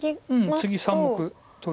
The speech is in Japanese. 次３目取る。